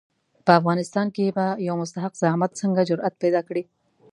په افغانستان کې به یو مستحق زعامت څنګه جرآت پیدا کړي.